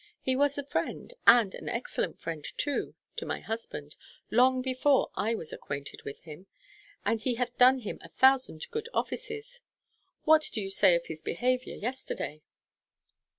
He was a friend, and an excellent friend too, to my husband, long before I was acquainted with him, and he hath done him a thousand good offices. What do you say of his behaviour yesterday?"